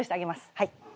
はい。